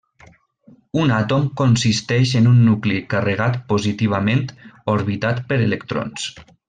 Un àtom consisteix en un nucli carregat positivament, orbitat per electrons.